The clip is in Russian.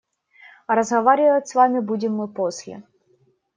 А разговаривать с вами будем мы после.